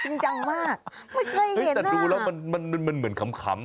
จริงจังมากไม่เคยเฮ้ยแต่ดูแล้วมันมันเหมือนขำ